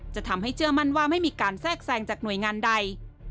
จะทำให้เชื่อมั่นว่าไม่มีการแทรกแทรงจากหน่วยงานใด